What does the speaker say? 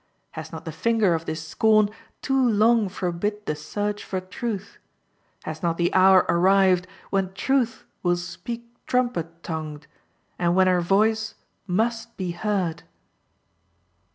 Has not the finger of this scorn too long forbid the search for truth? Has not the hour arrived when truth will speak trumpet tongued, and when her voice must be heard?